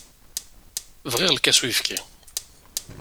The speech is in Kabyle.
Bɣiɣ lkas n uyefki.